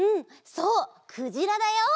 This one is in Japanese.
そうくじらだよ！